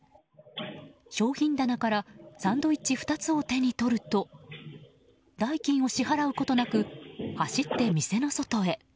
商品棚からサンドイッチ２つを手に取ると代金を支払うことなく走って店の外へ。